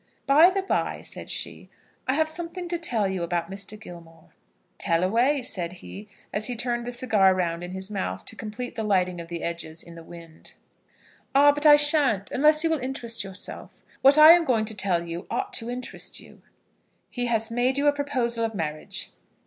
"By the bye," said she, "I have something to tell you about Mr. Gilmore." "Tell away," said he, as he turned the cigar round in his mouth, to complete the lighting of the edges in the wind. "Ah, but I shan't, unless you will interest yourself. What I am going to tell you ought to interest you." "He has made you a proposal of marriage?"